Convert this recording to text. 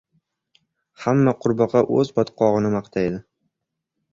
• Hamma qurbaqa o‘z botqog‘ini maqtaydi.